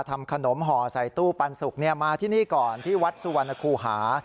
ทำขนมห่อใส่ตู้ปันสุกมาที่นี่ก่อนที่วัดสุวรรณคูหา